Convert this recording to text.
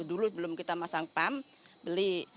dulu belum kita masang pump beli